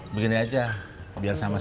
begini aja biar sama sama